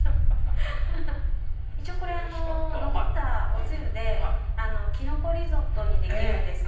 これ残ったおつゆできのこリゾットにできるんです。